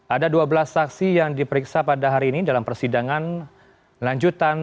ada dua belas saksi yang diperiksa pada hari ini dalam persidangan lanjutan